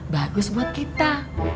bagus buat kita